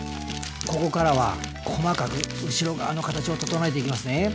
ここからは細かく後ろ側の形を整えていきますね